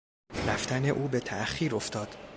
رفتن او به تاخیر افتاد.